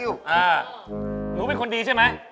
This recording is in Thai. หนูเป็นคนดีใช่ไหม